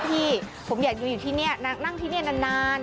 พี่ผมอยากดูอยู่ที่นี่นั่งที่นี่นาน